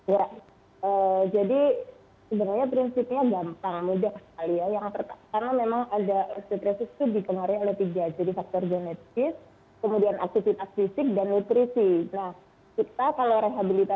ya jadi sebenarnya prinsipnya gampang mudah sekali ya